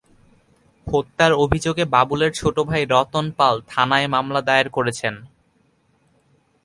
হত্যার অভিযোগে বাবুলের ছোট ভাই রতন পাল থানায় মামলা দায়ের করেছেন।